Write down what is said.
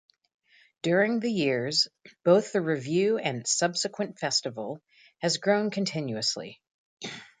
During the years, both the revue and its subsequent festival has grown continuously.